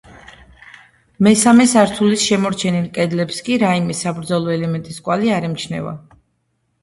მესამე სართულის შემორჩენილ კედლებს კი რაიმე საბრძოლო ელემენტის კვალი არ ემჩნევა.